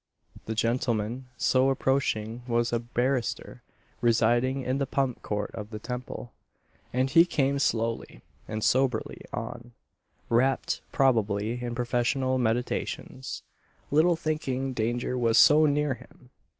The gentleman, so approaching, was a barrister, residing in the Pump court of the Temple; and he came slowly, and soberly on wrapped (probably) in professional meditations, little thinking danger was so near him.